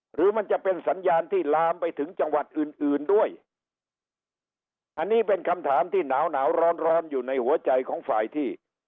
หรือมันจะเป็นสัญญาณที่ลามไปถึงจังหวัดอื่นอื่นด้วยอันนี้เป็นคำถามที่หนาวหนาวร้อนร้อนอยู่ในหัวใจของฝ่ายที่